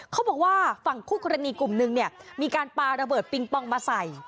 เขาบอกว่าฝั่งคู่กรณีกลุ่มนึงเนี่ยมีการปาระเบิดปิงปองมาใส่